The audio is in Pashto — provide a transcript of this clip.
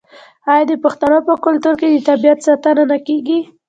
آیا د پښتنو په کلتور کې د طبیعت ساتنه نه کیږي؟